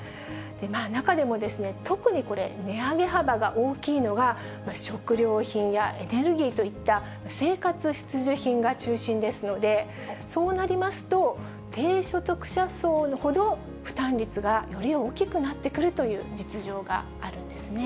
中でも、特にこれ、値上げ幅が大きいのが、食料品やエネルギーといった生活必需品が中心ですので、そうなりますと、低所得者層ほど、負担率がより大きくなってくるという実情があるんですね。